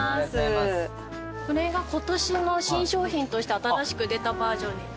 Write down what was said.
これが今年の新商品として新しく出たバージョンになりまして。